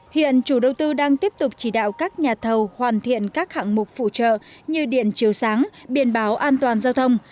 hiện chủ đầu tư đang tiếp tục chỉ đạo các nhà thầu hoàn thiện các hạng mục phụ trợ như điện chiều sáng biển báo an toàn giao thông